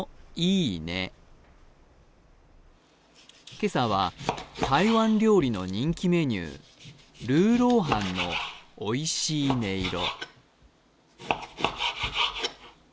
今朝は、台湾料理の人気メニュー、魯肉飯のおいしい音色。